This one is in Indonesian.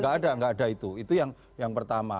nggak ada nggak ada itu itu yang pertama